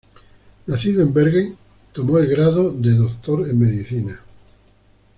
Nacido en Bergen, tomó el grado dr.med.